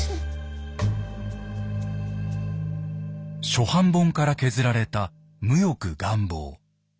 初版本から削られた「無慾顏貌」。